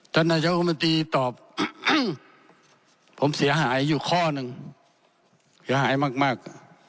ท่านนายกรมนตรีตอบผมเสียหายอยู่ข้อหนึ่งเสียหายมาก